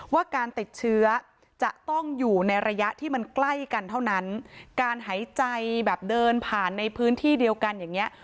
ว่าการติดเชื้อจะต้องอยู่ในระยะที่มันใกล้กันเท่านั้นการหายใจแบบเดินผ่านในพื้นที่เดียวกันอย่างเงี้ย